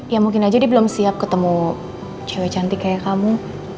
ya mungkin aja dia belum siap ketemu cewek cantik kayak kamu